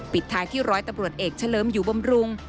ปิดท้ายที่ร้อยตำรวจเอกเฉลิมอยู่บำรุง